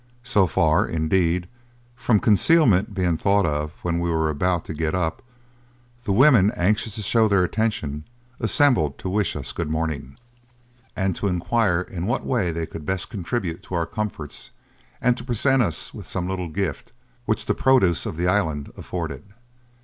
So far, indeed, from concealment being thought of, when we were about to get up, the women, anxious to show their attention, assembled to wish us good morning, and to inquire in what way they could best contribute to our comforts, and to present us with some little gift, which the produce of the island afforded.